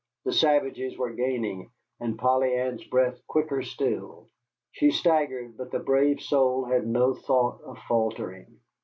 The savages were gaining, and Polly Ann's breath quicker still. She staggered, but the brave soul had no thought of faltering.